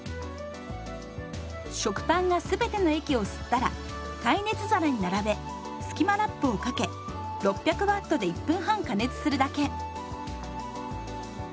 食パンが全ての液を吸ったら耐熱皿に並べ「スキマラップ」をかけ６００Ｗで１分半加熱するだけ。